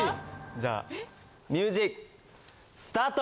じゃあミュージックスタート！